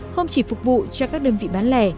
không chỉ phục vụ cho các đơn vị bán lẻ